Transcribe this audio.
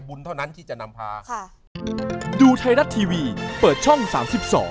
บุญเท่านั้นที่จะนำพา